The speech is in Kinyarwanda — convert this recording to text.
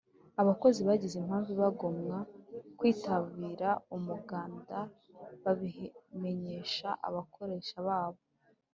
abakozi bagize impamvu ibagomwa kwitabira umuganda babimenyesha abakoresha babo